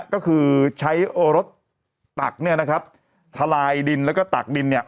ก็คือใช้รถตักเนี่ยนะครับทลายดินแล้วก็ตักดินเนี่ย